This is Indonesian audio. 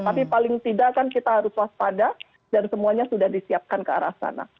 tapi paling tidak kan kita harus waspada dan semuanya sudah disiapkan ke arah sana